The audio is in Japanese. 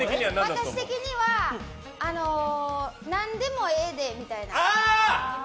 私的には何でもええでみたいな。